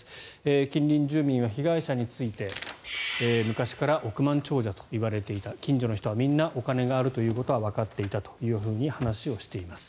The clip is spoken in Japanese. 近隣住民は被害者について昔から億万長者といわれていた近所の人はみんなお金があることはわかっていたと話しています。